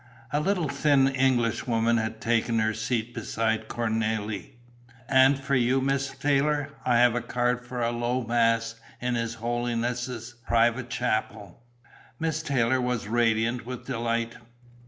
A little thin Englishwoman had taken her seat beside Cornélie. "And for you, Miss Taylor, I have a card for a low mass in His Holiness' private chapel." Miss Taylor was radiant with delight.